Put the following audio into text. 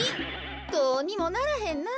どうにもならへんなあ。